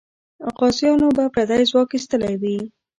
غازیانو به پردی ځواک ایستلی وي.